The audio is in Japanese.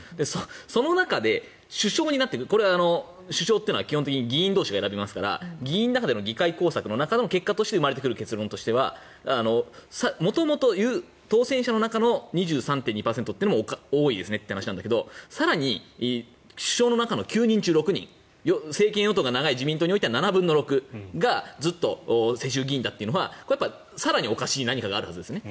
その中で首相になっている首相というのは基本的に議員同士で選びますから議員の中での議会工作の中の結果として生まれてくる結論としては元々、当選者の中の２３．２％というのも多いという話なんだけど更に首相の中の９人中６人政権与党が長い自民党においては７分の６がずっと世襲議員だというのは更におかしい何かがあるはずですね。